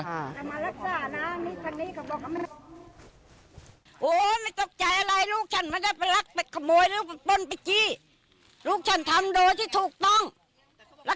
อันนู้นเต็มใจแล้ว